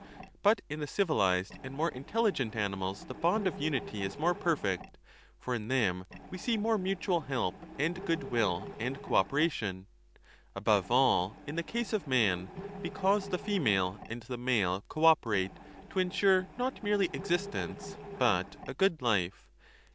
But in the civilized and more intelligent animals the bond of unity is more perfect (for in them we see more mutual help and goodwill and co operation), above all in the case of man, because the female and the male co operate 20 to ensure not merely existence but a good life.